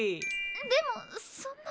でもそんな。